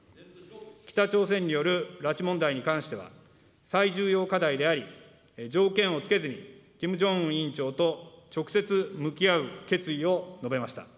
北朝鮮による拉致問題に関しては、最重要課題であり、条件を付けずにキム・ジョンウン委員長と、直接向き合う決意を述べました。